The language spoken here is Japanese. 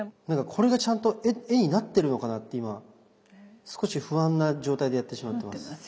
なんかこれがちゃんと絵になってるのかなって今少し不安な状態でやってしまってます。